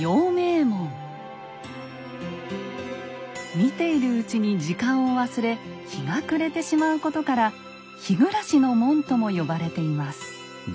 見ているうちに時間を忘れ日が暮れてしまうことから「日暮の門」とも呼ばれています。